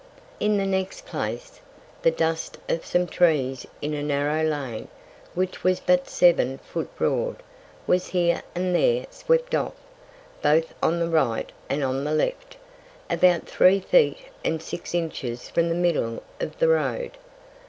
In the next Place, the Dust of some Trees in a narrow Lane, which was but seven Foot broad, was here and there swept off, both on the Right and on the Left, about three Feet and six Inches from the Middle of the Road.